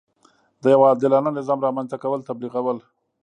د یوه عادلانه نظام رامنځته کول تبلیغول.